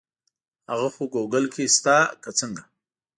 هغه خو ګوګل کې شته که څنګه.